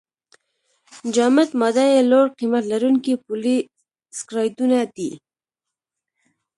جامد ماده یې لوړ قیمت لرونکي پولې سکرایډونه دي.